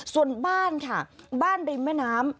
ส่วนบ้านค่ะบ้านริมแม่น้ำ